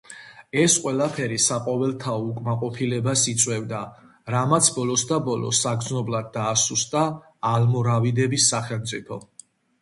ეს ყველაფერი საყოველთაო უკმაყოფილებას იწვევდა, რამაც ბოლოსდაბოლოს საგრძნობლად დაასუსტა ალმორავიდების სახელმწიფო.